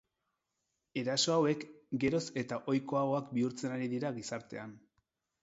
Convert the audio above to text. Eraso hauek geroz eta ohikoagoak bihurtzen ari dira gizartean.